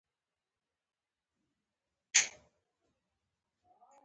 که دوی آس لرلو.